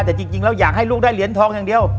แต่จริงแล้วอยากให้ลูกได้เหรียญทองอย่างเดียว